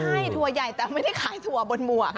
ใช่ถั่วใหญ่แต่ไม่ได้ขายถั่วบนหมวก